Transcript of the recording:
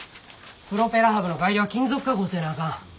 プロペラハブの改良は金属加工せなあかん。